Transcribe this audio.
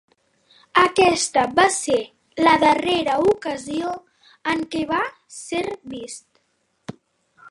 Aquesta va ser la darrera ocasió en què va ser vist.